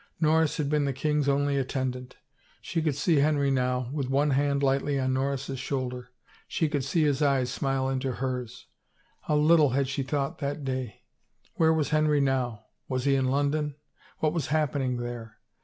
Norris had been the king's only attendant ... she could see Henry now, with one hand lightly on Norris's shoul der ... she could see his eyes smile into hers. How little she had thought that day —! Where was Henry now? Was he in London? What was happening there?